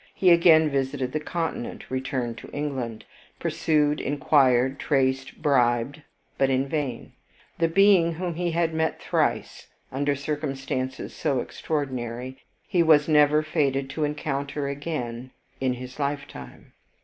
He again visited the Continent, returned to England, pursued, inquired, traced, bribed, but in vain. The being whom he had met thrice, under circumstances so extraordinary, he was fated never to encounter again IN HIS LIFETIME.